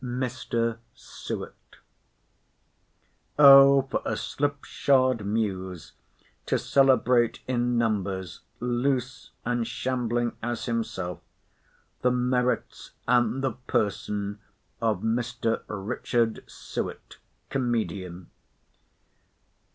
MR. SUETT O for a "slip shod muse," to celebrate in numbers, loose and shambling as himself, the merits and the person of Mr. Richard Suett, comedian!